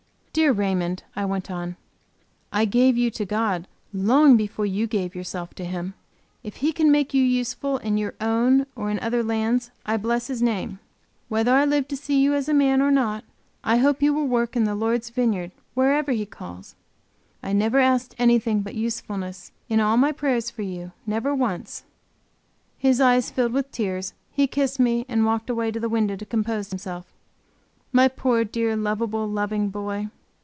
"Dear Raymond," I went on, "I gave you to God long before you gave yourself to Him. If He can make you useful in your own, or in other lands, I bless His name. Whether I live to see you a man, or not, I hope you will work in the Lord's vineyard, wherever He calls. I never asked anything but usefulness, in all my prayers for you; never once." His eyes filled with tears; he kissed me and walked away to the window to compose himself. My poor, dear, lovable, loving boy!